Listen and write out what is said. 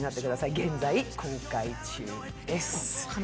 現在公開中です。